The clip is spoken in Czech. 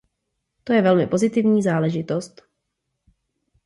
To je velmi pozitivní záležitost.